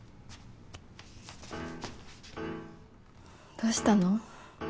どうしたの？